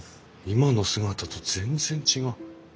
今の姿と全然違う。